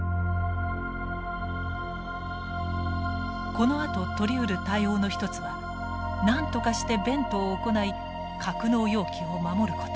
このあと取りうる対応の一つはなんとかしてベントを行い格納容器を守ること。